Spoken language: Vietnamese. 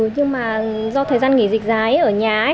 nhưng mà do thời gian nghỉ dịch dài ở nhà